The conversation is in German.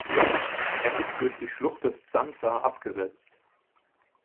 Er ist durch die Schlucht des T’Santsa abgesetzt.